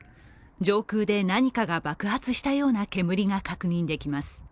上空で何かが爆発したような煙が確認できます。